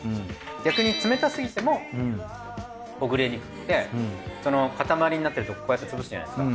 逆に冷たすぎてもほぐれにくくてその塊になってるとここうやって潰すじゃないですか。